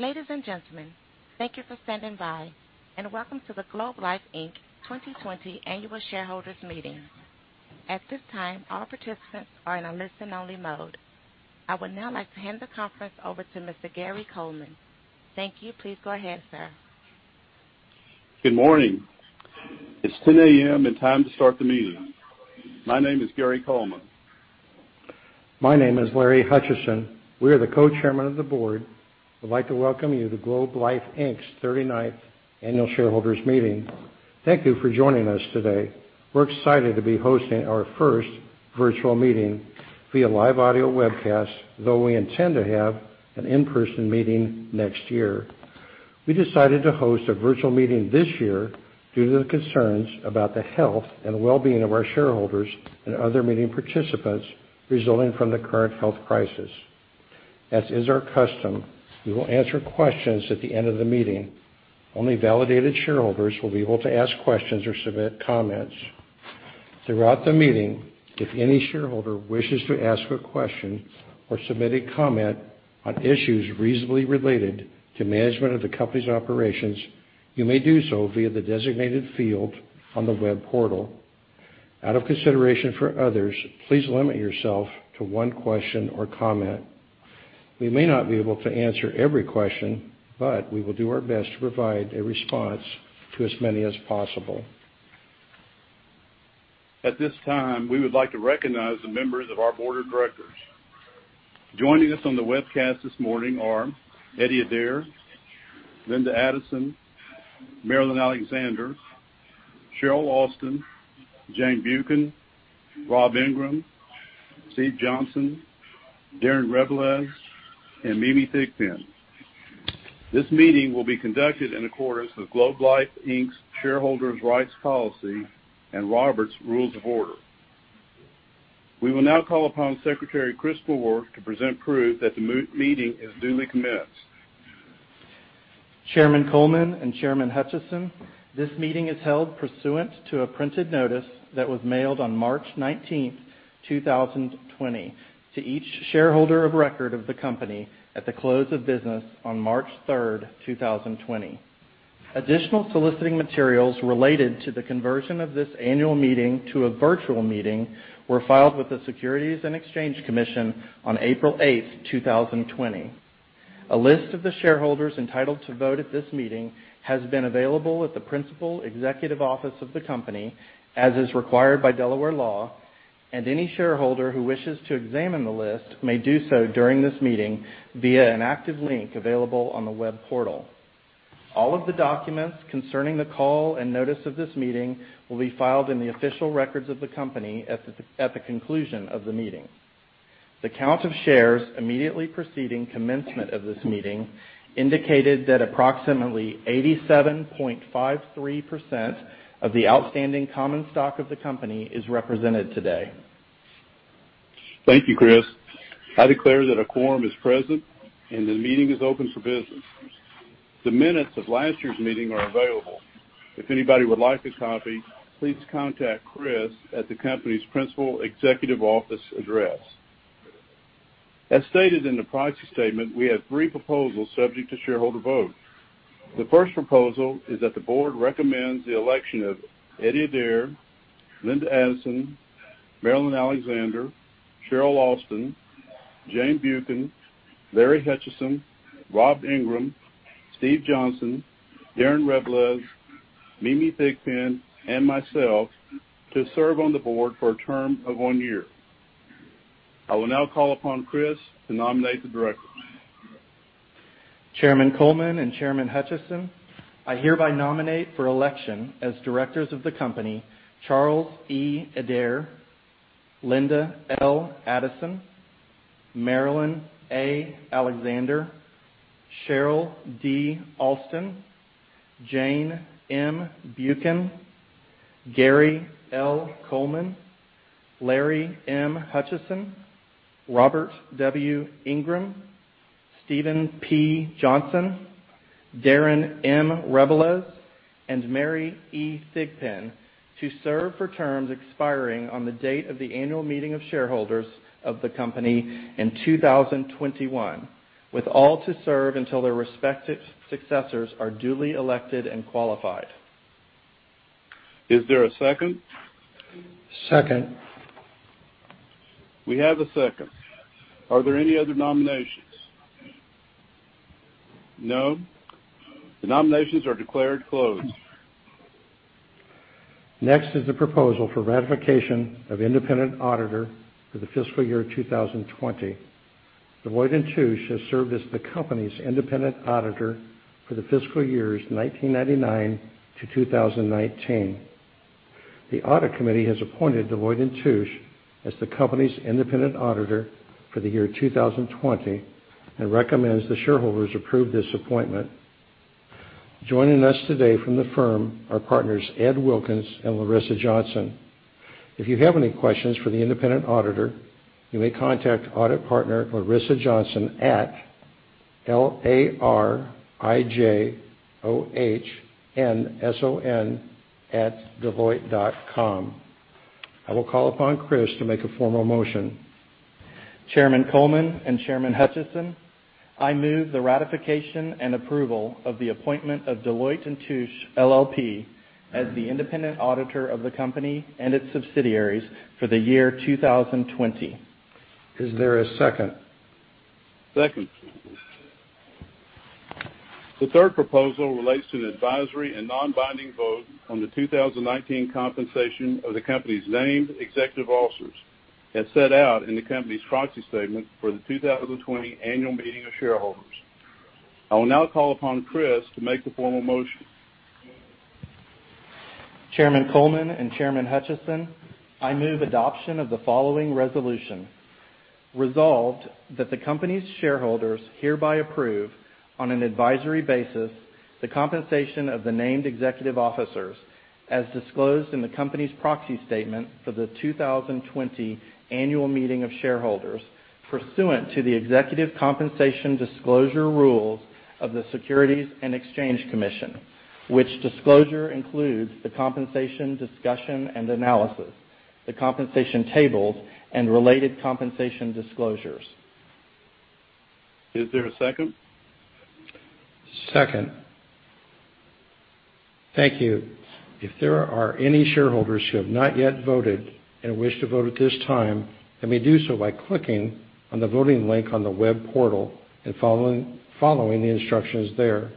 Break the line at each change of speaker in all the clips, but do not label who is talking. Ladies and gentlemen, thank you for standing by, welcome to the Globe Life Inc 2020 annual shareholders meeting. At this time, all participants are in a listen-only mode. I would now like to hand the conference over to Mr. Gary Coleman. Thank you. Please go ahead, sir.
Good morning. It's 10:00 A.M. time to start the meeting. My name is Gary Coleman.
My name is Larry Hutchison. We are the co-chairmen of the board. We'd like to welcome you to Globe Life Inc.'s 39th Annual Shareholders Meeting. Thank you for joining us today. We're excited to be hosting our first virtual meeting via live audio webcast, though we intend to have an in-person meeting next year. We decided to host a virtual meeting this year due to the concerns about the health and wellbeing of our shareholders and other meeting participants resulting from the current health crisis. As is our custom, we will answer questions at the end of the meeting. Only validated shareholders will be able to ask questions or submit comments. Throughout the meeting, if any shareholder wishes to ask a question or submit a comment on issues reasonably related to management of the company's operations, you may do so via the designated field on the web portal. Out of consideration for others, please limit yourself to one question or comment. We may not be able to answer every question, we will do our best to provide a response to as many as possible.
At this time, we would like to recognize the members of our board of directors. Joining us on the webcast this morning are Eddie Adair, Linda Addison, Marilyn Alexander, Cheryl Alston, Jane Buchan, Rob Ingram, Steve Johnson, Darren Rebelez, and Mimi Thigpen. This meeting will be conducted in accordance with Globe Life Inc.'s Shareholders' Rights Policy and Robert's Rules of Order. We will now call upon Secretary Chris Moore to present proof that the meeting is duly commenced.
Chairman Coleman and Chairman Hutchison, this meeting is held pursuant to a printed notice that was mailed on March 19th, 2020 to each shareholder of record of the company at the close of business on March 3rd, 2020. Additional soliciting materials related to the conversion of this annual meeting to a virtual meeting were filed with the Securities and Exchange Commission on April 8th, 2020. A list of the shareholders entitled to vote at this meeting has been available at the principal executive office of the company, as is required by Delaware law, and any shareholder who wishes to examine the list may do so during this meeting via an active link available on the web portal. All of the documents concerning the call and notice of this meeting will be filed in the official records of the company at the conclusion of the meeting. The count of shares immediately preceding commencement of this meeting indicated that approximately 87.53% of the outstanding common stock of the company is represented today.
Thank you, Chris. I declare that a quorum is present, and the meeting is open for business. The minutes of last year's meeting are available. If anybody would like a copy, please contact Chris at the company's principal executive office address. As stated in the proxy statement, we have three proposals subject to shareholder vote. The first proposal is that the board recommends the election of Eddie Adair, Linda Addison, Marilyn Alexander, Cheryl Alston, Jane Buchan, Larry Hutchison, Rob Ingram, Steve Johnson, Darren Rebelez, Mimi Thigpen, and myself to serve on the board for a term of one year. I will now call upon Chris to nominate the directors.
Chairman Coleman and Chairman Hutchison, I hereby nominate for election as directors of the company, Charles E. Adair, Linda L. Addison, Marilyn A. Alexander, Cheryl D. Alston, Jane M. Buchan, Gary L. Coleman, Larry M. Hutchison, Robert W. Ingram, Steven P. Johnson, Darren M. Rebelez, and Mary E. Thigpen to serve for terms expiring on the date of the annual meeting of shareholders of the company in 2021, with all to serve until their respective successors are duly elected and qualified.
Is there a second?
Second.
We have a second. Are there any other nominations? No? The nominations are declared closed.
Next is the proposal for ratification of independent auditor for the fiscal year 2020. Deloitte & Touche has served as the company's independent auditor for the fiscal years 1999 to 2019. The audit committee has appointed Deloitte & Touche as the company's independent auditor for the year 2020 and recommends the shareholders approve this appointment. Joining us today from the firm are partners Ed Wilkins and Larissa Johnson. If you have any questions for the independent auditor, you may contact audit partner Larissa Johnson at larijohnson@deloitte.com. I will call upon Chris to make a formal motion.
Chairman Coleman and Chairman Hutchison, I move the ratification and approval of the appointment of Deloitte & Touche LLP as the independent auditor of the company and its subsidiaries for the year 2020.
Is there a second?
Second. The third proposal relates to the advisory and non-binding vote on the 2019 compensation of the company's named executive officers as set out in the company's proxy statement for the 2020 annual meeting of shareholders. I will now call upon Chris to make the formal motion.
Chairman Coleman and Chairman Hutchison, I move adoption of the following resolution. Resolved that the company's shareholders hereby approve, on an advisory basis, the compensation of the named executive officers as disclosed in the company's proxy statement for the 2020 annual meeting of shareholders pursuant to the executive compensation disclosure rules of the Securities and Exchange Commission, which disclosure includes the compensation discussion and analysis, the compensation tables, and related compensation disclosures.
Is there a second?
Second. Thank you. If there are any shareholders who have not yet voted and wish to vote at this time, they may do so by clicking on the voting link on the web portal and following the instructions there.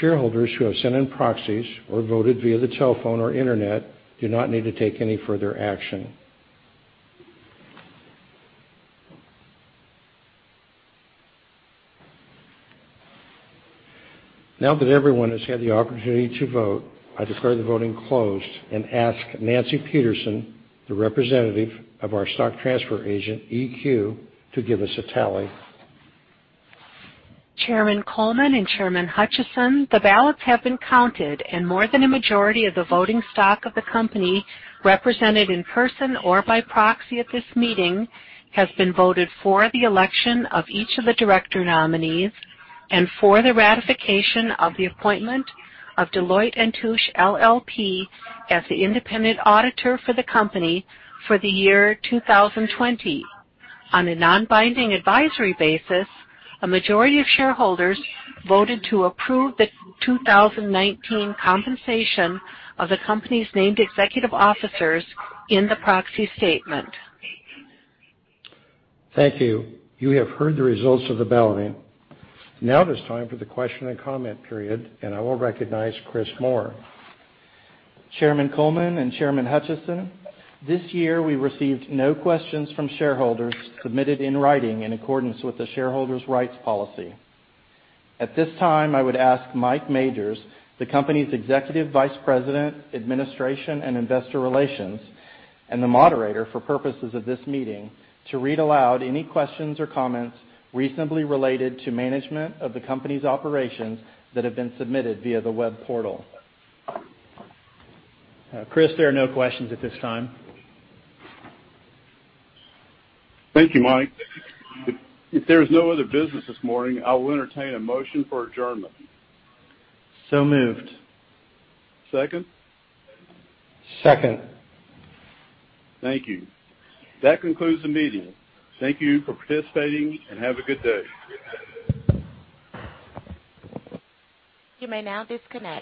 Shareholders who have sent in proxies or voted via the telephone or internet do not need to take any further action. Now that everyone has had the opportunity to vote, I declare the voting closed and ask Nancy Peterson, the representative of our stock transfer agent, EQ, to give us a tally.
Chairman Coleman and Chairman Hutchison, the ballots have been counted, and more than a majority of the voting stock of the company represented in person or by proxy at this meeting has been voted for the election of each of the director nominees and for the ratification of the appointment of Deloitte & Touche LLP as the independent auditor for the company for the year 2020. On a non-binding advisory basis, a majority of shareholders voted to approve the 2019 compensation of the company's named executive officers in the proxy statement.
Thank you. You have heard the results of the balloting. Now it is time for the question and comment period, and I will recognize Chris Moore.
Chairman Coleman and Chairman Hutchison, this year, we received no questions from shareholders submitted in writing in accordance with the Shareholders' Rights Policy. At this time, I would ask Mike Majors, the company's Executive Vice President, Administration and Investor Relations, and the moderator for purposes of this meeting, to read aloud any questions or comments reasonably related to management of the company's operations that have been submitted via the web portal.
Chris, there are no questions at this time.
Thank you, Mike. If there is no other business this morning, I will entertain a motion for adjournment.
So moved.
Second?
Second.
Thank you. That concludes the meeting. Thank you for participating and have a good day.
You may now disconnect.